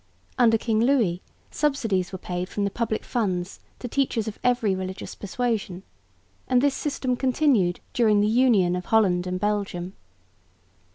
Under King Louis subsidies were paid from the public funds to teachers of every religious persuasion; and this system continued during the union of Holland and Belgium.